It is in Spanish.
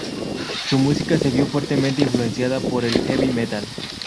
Su música se vio fuertemente influenciada por el heavy metal.